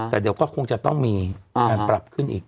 แต่เดี๋ยวก็คงจะต้องมีการปรับขึ้นอีก